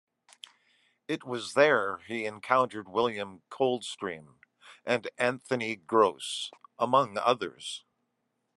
It was there he encountered William Coldstream and Anthony Gross, among others.